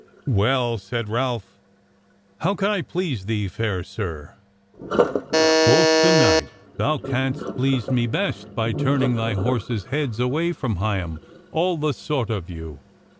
"Well," said Ralph, "how can I please thee, fair sir?" Quoth the knight: "Thou canst please me best by turning thy horses' heads away from Higham, all the sort of you."